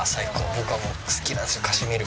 僕はもう好きなんですよ